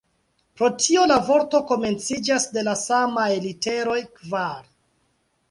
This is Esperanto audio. Pro tio la vorto komenciĝas de la samaj literoj "kvar".